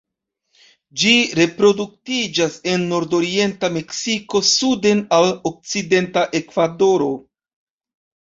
Ĝi reproduktiĝas el nordorienta Meksiko suden al okcidenta Ekvadoro.